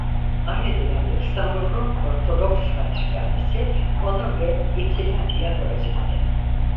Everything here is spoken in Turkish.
Aynı dönemde İstanbul Rum Ortodoks Patrikhanesi onu ve İpsilanti'yi aforoz etti.